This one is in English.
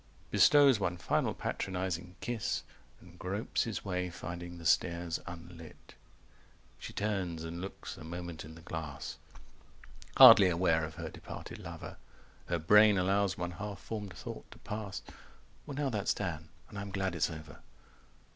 Bestows one final patronising kiss, And gropes his way, finding the stairs unlit ... She turns and looks a moment in the glass, Hardly aware of her departed lover; 250 Her brain allows one half formed thought to pass: "Well now that's done: and I'm glad it's over."